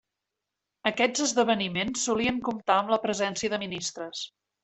Aquests esdeveniments solien comptar amb la presència de ministres.